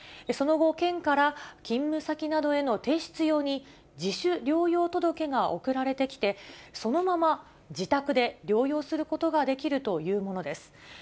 その後、県から勤務先などへの提出用に、自主療養届が送られてきて、そのまま自宅で療養することができるというものです。